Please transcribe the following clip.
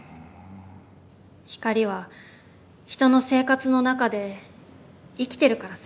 光は人の生活の中で生きてるからさ。